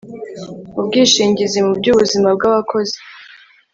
ubwishingizi mu by'ubuzima bw'abakozi